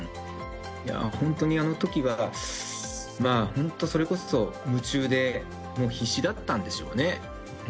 本当にあのときは、本当それこそ、夢中でもう必死だったんでしょうね。